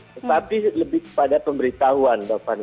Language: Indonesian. tetapi lebih kepada pemberitahuan bapak